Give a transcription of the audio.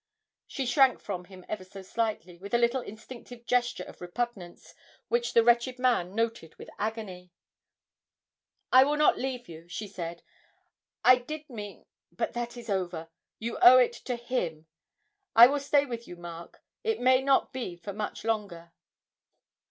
She shrank from him ever so slightly, with a little instinctive gesture of repugnance, which the wretched man noted with agony. 'I will not leave you,' she said, 'I did mean but that is over, you owe it to him. I will stay with you, Mark it may not be for much longer.'